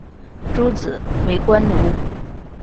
诸子为官奴。